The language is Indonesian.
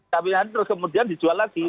tapi nanti terus kemudian dijual lagi